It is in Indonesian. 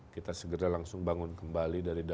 kita segera langsung bangun kembali dari